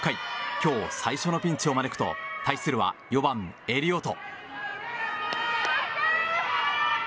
今日最初のピンチを招くと対するは、４番、エリオト。